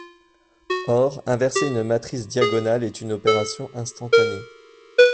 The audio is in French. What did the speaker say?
Or, inverser une matrice diagonale est une opération instantanée.